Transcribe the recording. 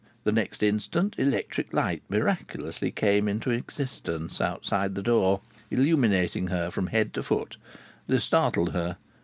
The next instant an electric light miraculously came into existence outside the door, illuminating her from head to foot. This startled her.